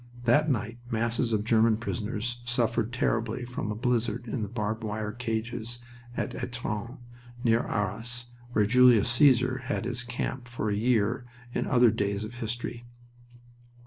That night masses of German prisoners suffered terribly from a blizzard in the barbed wire cages at Etrun, by Arras, where Julius Caesar had his camp for a year in other days of history.